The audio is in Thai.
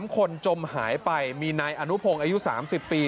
๓คนจมหายไปมีนายอนุพงศ์อายุ๓๐ปี